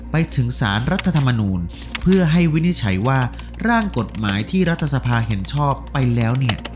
ไปถึงสารรัฐธรรมนูลเพื่อให้วินิจฉัยว่าร่างกฎหมายที่รัฐสภาเห็นชอบไปแล้วเนี่ย